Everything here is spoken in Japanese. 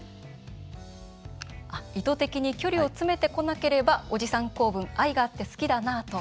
意図的に距離を詰めてこなければおじさん構文愛があって好きだなぁと。